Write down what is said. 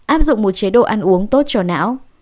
áp dụng một chế độ ăn uống tốt cho não